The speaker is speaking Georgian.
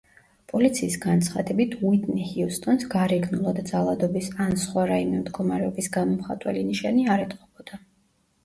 პოლიციის განცხადებით, უიტნი ჰიუსტონს გარეგნულად ძალადობის ან სხვა რაიმე მდგომარეობის გამომხატველი ნიშანი არ ეტყობოდა.